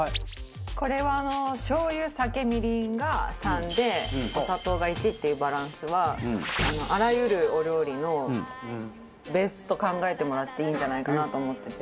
これはしょう油酒みりんが３でお砂糖が１っていうバランスはあらゆるお料理のベースと考えてもらっていいんじゃないかなと思ってて。